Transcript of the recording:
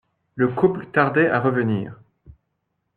Le couple tardait à revenir.